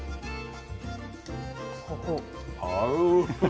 合う。